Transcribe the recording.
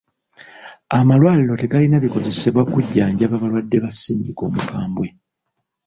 Amalwaliro tegalina bikozesebwa kujjanjaba balwadde ba ssennyinga omukabwe.